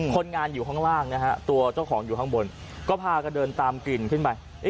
คนงานอยู่ข้างล่างนะฮะตัวเจ้าของอยู่ข้างบนก็พากันเดินตามกลิ่นขึ้นไป